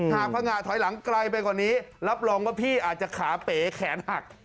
พังงะถอยหลังไกลไปกว่านี้รับรองว่าพี่อาจจะขาเป๋แขนหัก